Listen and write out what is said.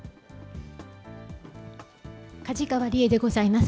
梶川理恵でございます。